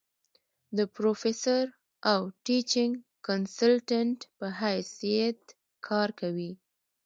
د پروفيسر او ټيچنګ کنسلټنټ پۀ حېث يت کار کوي ۔